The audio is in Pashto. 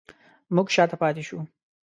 موږ شاته پاتې شوو